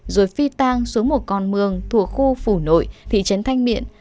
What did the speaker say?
rồi phi tang xuống một con mương thuộc khu phủ nội thị trấn thanh miện